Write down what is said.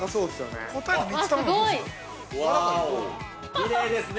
◆きれいですね。